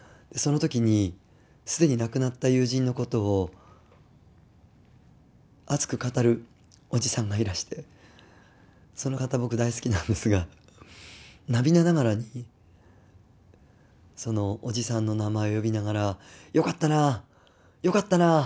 その時に既に亡くなった友人の事を熱く語るおじさんがいらしてその方僕大好きなんですが涙ながらにそのおじさんの名前を呼びながら「よかったな！よかったな！」